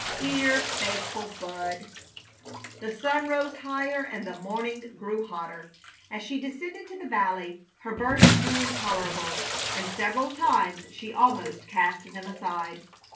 Dear, faithful Bud! The sun rose higher and the morning grew hotter. As she descended to the valley her burdens grew intolerable, and several times she almost cast them aside.